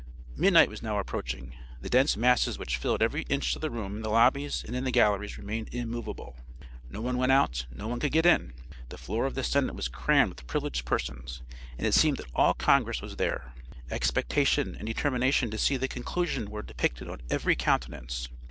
Midnight was now approaching. The dense masses which filled every inch of the room in the lobbies and in the galleries remained immovable. No one went out, no one could get in. The floor of the Senate was crammed with privileged persons, and it seemed that all Congress was there. Expectation and determination to see the conclusion were depicted on every countenance.